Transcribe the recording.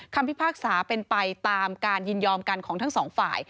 พิพากษาเป็นไปตามการยินยอมกันของทั้งสองฝ่าย